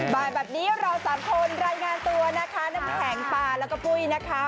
บ่ายแบบนี้เราสามคนรายงานตัวนะคะน้ำแข็งปลาแล้วก็ปุ้ยนะคะ